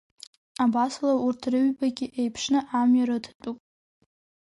Абасала урҭ рыҩбагьы еиԥшны амҩа рыҭатәуп.